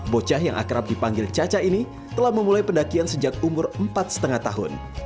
bocah yang akrab dipanggil caca ini telah memulai pendakian sejak umur empat lima tahun